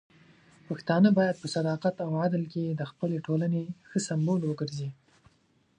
پښتانه بايد په صداقت او عدل کې د خپلې ټولنې ښه سمبول وګرځي.